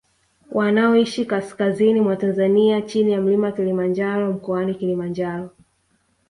Wanaoishi kaskazini mwa Tanzania chini ya mlima Kilimanjaro mkoani Kilimanjaro